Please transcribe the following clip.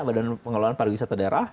badan pengelolaan pariwisata daerah